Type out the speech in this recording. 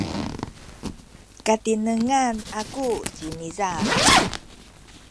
katinengan aku ciniza.